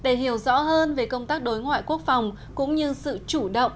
để hiểu rõ hơn về công tác đối ngoại quốc phòng cũng như sự chủ động